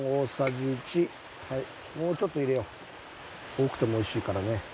多くてもおいしいからね。